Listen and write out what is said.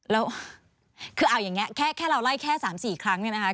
แล้วคือเอาอย่างนี้แค่เราไล่แค่๓๔ครั้งเนี่ยนะคะ